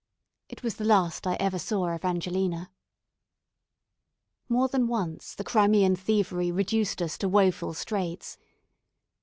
It was the last I ever saw of Angelina. More than once the Crimean thievery reduced us to woeful straits.